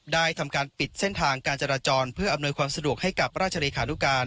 ทำการปิดเส้นทางการจราจรเพื่ออำนวยความสะดวกให้กับราชเลขานุการ